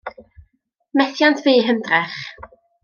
Methiant fu eu hymdrech.